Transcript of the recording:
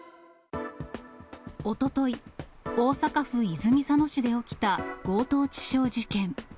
おととい、大阪府泉佐野市で起きた強盗致傷事件。